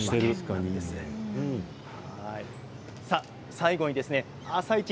最後「あさイチ」